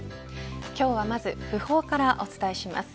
今日はまず訃報からお伝えします。